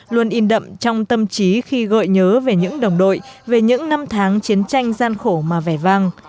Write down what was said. luôn in đậm trong tâm trí khi gợi nhớ về những đồng đội về những năm tháng chiến tranh gian khổ mà vẻ vang